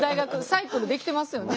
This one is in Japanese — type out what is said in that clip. サイクルできてますよね。